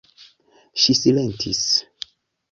Ŝi silentis.